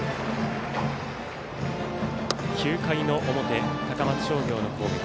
９回の表、高松商業の攻撃。